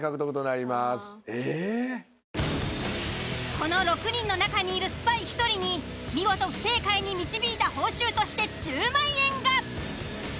この６人の中にいるスパイ１人に見事不正解に導いた報酬として１０万円が。